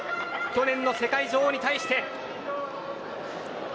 去年の世界女王に対して。